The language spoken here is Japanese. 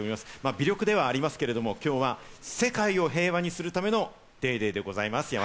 微力ではありますけれども、今日は世界を平和にするための『ＤａｙＤａｙ．』でございます。